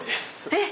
えっ⁉